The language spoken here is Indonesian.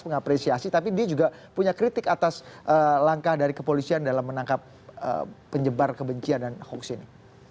mengapresiasi tapi dia juga punya kritik atas langkah dari kepolisian dalam menangkap penyebar kebencian dan hoax ini